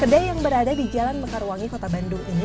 kedai yang berada di jalan mekarwangi kota bandung ini